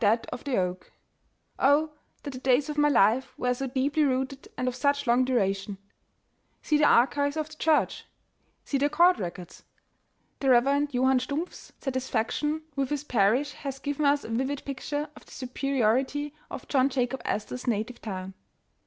iat of the oak; 0, that the days of my life were so deeply rooted, and of snch long duration ! See the archives of the church ! See the court records !'' The Rev. Johann Stumpf "s satisfaction with his par ish has given us a vivid picture of the superiority of John Jacob Astor 's native town.